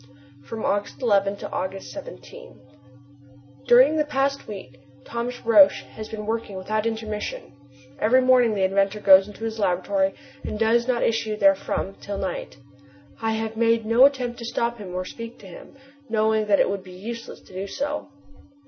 From August 11 to August 17. During the past week Thomas Roch has been working without intermission. Every morning the inventor goes to his laboratory and does not issue therefrom till night. I have made no attempt to stop him or speak to him, knowing that it would be useless to do so.